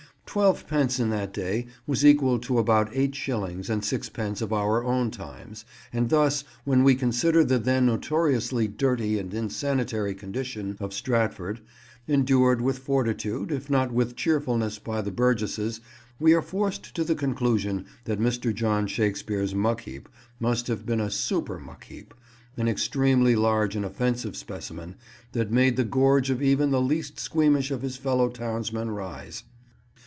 Twelve pence in that day was equal to about eight shillings and sixpence of our own times; and thus, when we consider the then notoriously dirty and insanitary condition of Stratford, endured with fortitude, if not with cheerfulness by the burgesses, we are forced to the conclusion that Mr. John Shakespeare's muck heap must have been a super muck heap, an extremely large and offensive specimen, that made the gorge of even the least squeamish of his fellow townsmen rise.